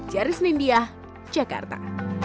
jaris nindia jakarta